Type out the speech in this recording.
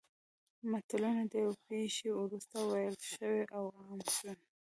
متلونه د یوې پېښې وروسته ویل شوي او عام شوي